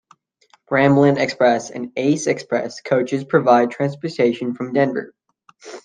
Ramblin Express and Ace Express Coaches provides transportation from Denver.